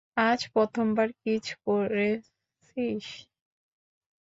আজ প্রথমবার কিস করেছিস।